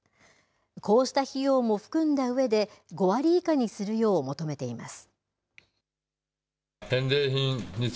こうした費用も含んだうえで、５割以下にするよう求めています。